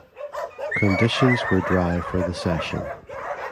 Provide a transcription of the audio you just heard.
Conditions were dry for the session.